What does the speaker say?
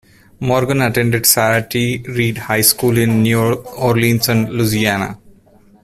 Morgan attended Sarah T. Reed High School in New Orleans, Louisiana.